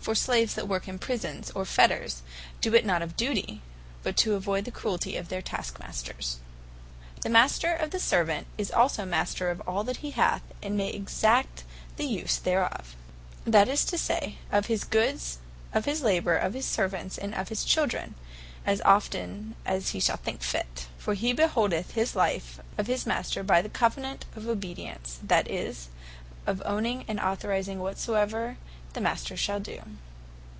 For Slaves that work in Prisons, or Fetters, do it not of duty, but to avoyd the cruelty of their task masters. The Master of the Servant, is Master also of all he hath; and may exact the use thereof; that is to say, of his goods, of his labour, of his servants, and of his children, as often as he shall think fit. For he holdeth his life of his Master, by the covenant of obedience; that is, of owning, and authorising whatsoever the Master shall do.